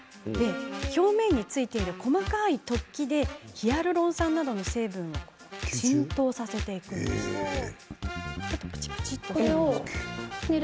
表面についている細かい突起でヒアルロン酸などの成分を浸透させていくというものです。